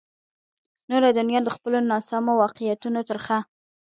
نوره دنیا د خپلو ناسمو واقعیتونو ترخه.